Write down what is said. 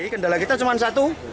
kendala kita cuma satu